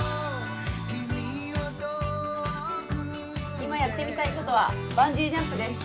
今、やってみたいことはバンジージャンプです。